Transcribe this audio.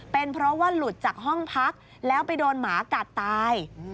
เป็นเพราะว่าหลุดจากห้องพักแล้วไปโดนหมากัดตาย